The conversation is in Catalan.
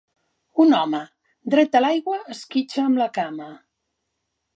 Un home dret a l'aigua esquitxa amb la cama.